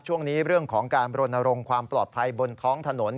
ช่วงนี้เรื่องของการบรณรงค์ความปลอดภัยบนท้องถนน